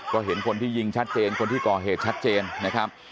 ก็เห็นคนที่ยิงชัดเจนคนที่ก่อเหตุชัดเจนนะครับ